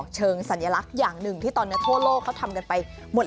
ใช่